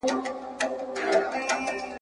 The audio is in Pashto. سلا نه ورڅخه غواړي چي هوښیار وي ..